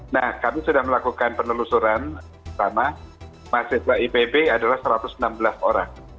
nah kami sudah melakukan penelusuran pertama mahasiswa ipb adalah satu ratus enam belas orang